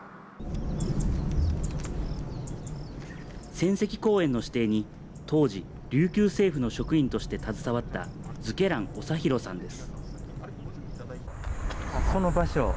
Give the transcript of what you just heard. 戦跡公園の指定に当時、琉球政府の職員として携わった、瑞慶覧長弘さんです。